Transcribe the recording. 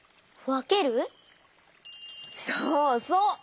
そうそう！